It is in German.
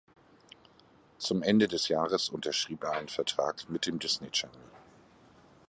Zum Ende des Jahres unterschrieb er einen Vertrag mit dem Disney Channel.